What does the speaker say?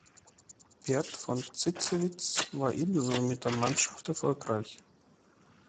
Bert von Zitzewitz war ebenso mit der Mannschaft erfolgreich.